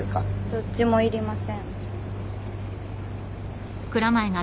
どっちもいりません。